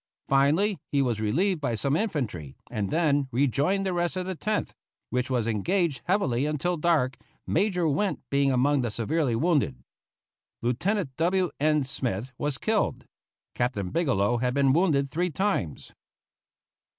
Finally, he was relieved by some infantry, and then rejoined the rest of the Tenth, which was engaged heavily until dark, Major Wint being among the severely wounded. Lieutenant W. N. Smith was killed. Captain Bigelow had been wounded three times.